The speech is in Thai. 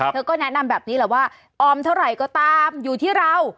เธอก็แนะนำแบบนี้แหละว่าออมเท่าไหร่ก็ตามอยู่ที่เรา